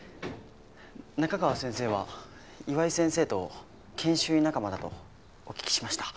仲川先生は岩井先生と研修医仲間だとお聞きしました。